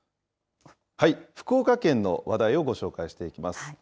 福岡県の話題をご紹介していきます。